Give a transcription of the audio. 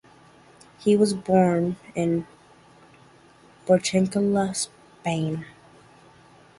He was born in Barcelona, Spain.